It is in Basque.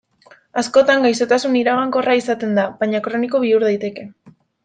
Askotan, gaixotasun iragankorra izaten da, baina kroniko bihur daiteke.